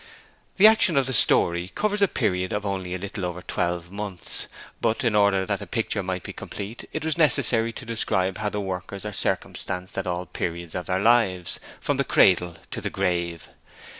The action of the story covers a period of only a little over twelve months, but in order that the picture might be complete it was necessary to describe how the workers are circumstanced at all periods of their lives, from the cradle to the grave.